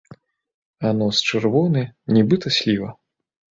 А нос чырвоны, нібыта сліва.